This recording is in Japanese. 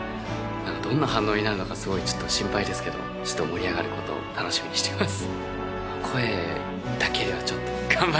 どんな反応になるのかすごいちょっと心配ですけど盛り上がることを楽しみにしています